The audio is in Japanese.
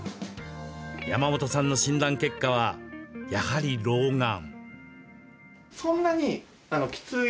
山本さんの診断結果はやはり老眼。